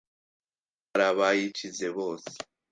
iyi ndwara bayikize bose